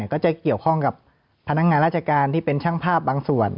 ก็จะเกี่ยวข้องกับพนักงานราชการที่เป็นช่างภาพบางส่วน